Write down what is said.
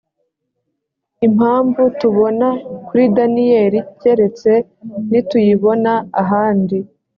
impamvu tubona kuri daniyeli keretse nituyibona ahandi.